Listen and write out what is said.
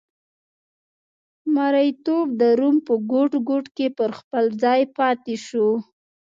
مریتوب د روم په ګوټ ګوټ کې پر خپل ځای پاتې شو